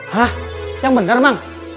hah yang bener emang